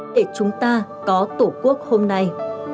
để chúng ta có tổ quốc hôm nay